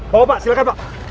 bawa pak silakan pak